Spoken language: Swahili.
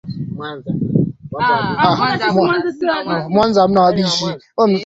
Ni suala la sera kuamua ni vikundi vipi hususan vilivyo hatarini